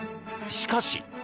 しかし。